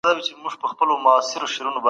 له خپل مخې يې خورئ.